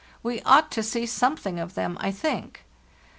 We ought to see something of them, I think.